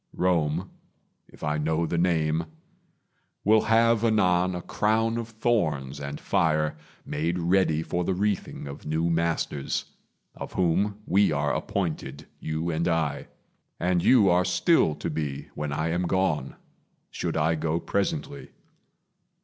Rome, if I know the name, Will have anon a crown of thorns and fire Made ready for the wreathing of new masters, Of whom we are appointed, you and I, And you are still to be when I am gone, Should I go presently.